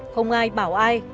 không ai bảo ai